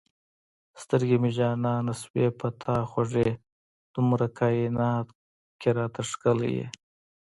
سترګې مې جانانه شوې په تا خوږې دومره کاینات کې را ته ښکلی یې